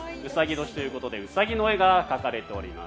卯年ということでウサギの絵が描かれています。